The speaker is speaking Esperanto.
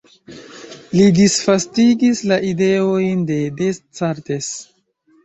Li disvastigis la ideojn de Descartes.